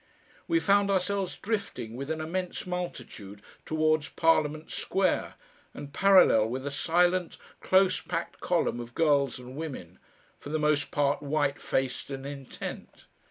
We found ourselves drifting with an immense multitude towards Parliament Square and parallel with a silent, close packed column of girls and women, for the most part white faced and intent.